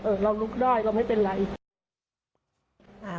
เราลุกได้เราไม่เป็นไร